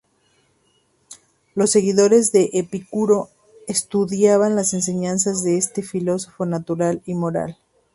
Los seguidores de Epicuro estudiaban las enseñanzas de este filósofo natural y moral.